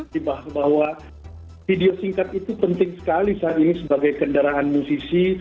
dibahas bahwa video singkat itu penting sekali saat ini sebagai kendaraan musisi